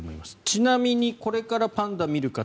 ちなみにこれからパンダを見る方